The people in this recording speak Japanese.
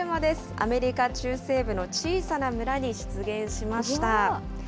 アメリカ中西部の小さな村に出現しました。